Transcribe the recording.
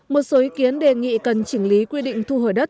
một số ý kiến đề nghị cần chỉnh lý quy định thu hồi đất